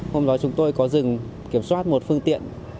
hôm đó chúng tôi có dừng kiểm soát một phương tiện